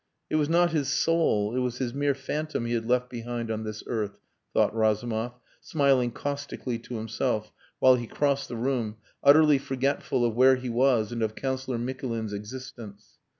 It was not his soul, it was his mere phantom he had left behind on this earth thought Razumov, smiling caustically to himself while he crossed the room, utterly forgetful of where he was and of Councillor Mikulin's existence.